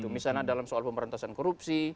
misalnya dalam soal pemberantasan korupsi